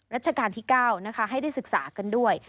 ราชการที่๙นะคะให้ได้ศึกษากันด้วย